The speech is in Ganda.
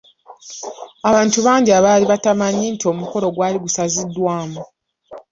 Abantu bangi abaali batamanyi nti omukolo gwali gusaziddwamu.